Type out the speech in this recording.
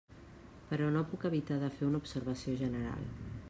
Però no puc evitar de fer una observació general.